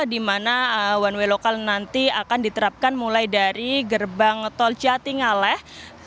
dimana one way lokal nanti akan diterapkan mulai dari gerbang tol jatingaleh